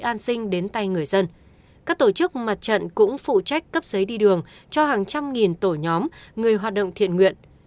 an sinh đến tay người dân các tổ chức mặt trận cũng phụ trách cấp giấy đi đường cho hàng trăm nghìn tổ nhóm người hoạt động thiện nguyện